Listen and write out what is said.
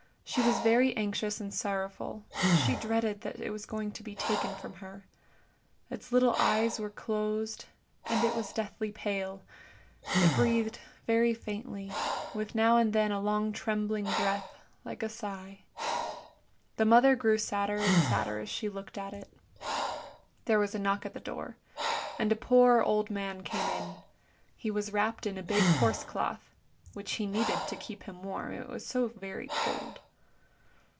She was very anxious and sorrowful; she dreaded that it was going to be taken from her. Its little eyes were closed, and it was deathly pale ; it breathed very faintly, with now and then a long trembling breath like a sigh. The mother grew sadder and sadder as she looked at it. There was a knock at the door, and a poor old man came in; he was wrapped in a big horse cloth, which he needed to keep him warm, it was so very cold.